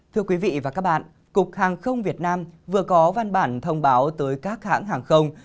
thưa quý vị và các bạn cục hàng không việt nam vừa có văn bản thông báo tới các hãng hàng không